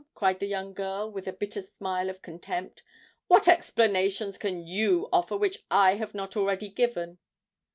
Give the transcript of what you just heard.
cried the young girl, with a bitter smile of contempt. "What explanations can you offer which I have not already given?"